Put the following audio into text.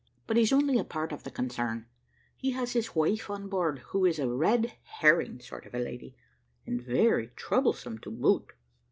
But he's only a part of the concern; he has his wife on board, who is a red herring sort of a lady, and very troublesome to boot.